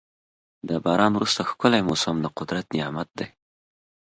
د باران وروسته ښکلی موسم د قدرت نعمت دی.